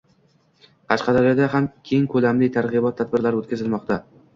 Qashqadaryoda ham keng ko‘lamli targ‘ibot tadbirlari o‘tkazilmoqda